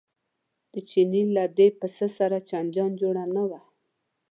د چیني له دې پسه سره چندان جوړه نه وه.